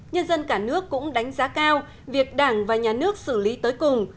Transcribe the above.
nhân dân cả nước cũng đánh giá cao việc đảng và nhà nước xử lý tới cùng